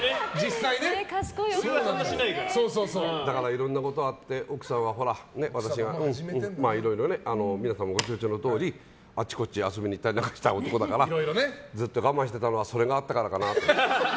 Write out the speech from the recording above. だから、いろんなことがあって奥さんはほらいろいろ皆さんも御承知のとおりあちこち遊びに行ったりしたり何かした男だからずっと我慢してたのはそれがあったからかなと。